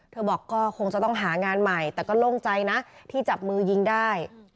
บอกก็คงจะต้องหางานใหม่แต่ก็โล่งใจนะที่จับมือยิงได้